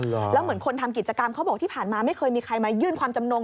แล้วเหมือนคนทำกิจกรรมเขาบอกที่ผ่านมาไม่เคยมีใครมายื่นความจำนง